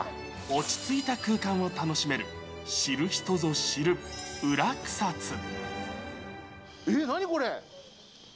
落ち着いた空間を楽しめる知る人ぞ知る、えー、何これ？